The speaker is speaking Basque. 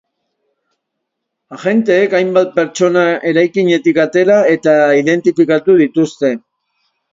Agenteek hainbat pertsona eraikinetik atera eta identifikatu dituzte.